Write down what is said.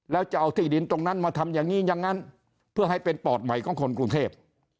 แล้วจะเอาที่ดินตรงนั้นมาทำอย่างนี้อย่างนั้นเพื่อให้เป็นปอดใหม่ของคนกรุงเทพ